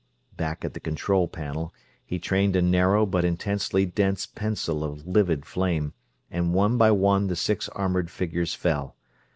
Back at the control panel, he trained a narrow, but intensely dense pencil of livid flame, and one by one the six armored figures fell.